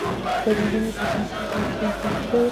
سیلابونه د افغانستان د اقلیم ځانګړتیا ده.